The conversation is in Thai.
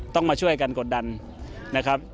ต้องมาช่วยกันกดดันนะครับ